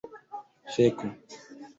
feko